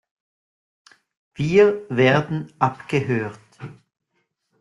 Wir werden abgehört.